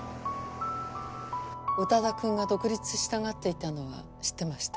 宇多田くんが独立したがっていたのは知ってました。